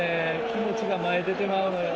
気持ちが前に出てまうのよ。